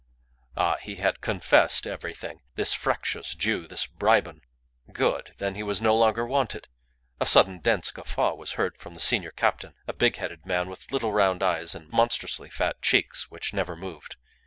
Ah! he had confessed everything, this fractious Jew, this bribon. Good! Then he was no longer wanted. A sudden dense guffaw was heard from the senior captain a big headed man, with little round eyes and monstrously fat cheeks which never moved.